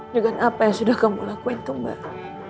dengan apa yang sudah kamu lakuin tuh mbak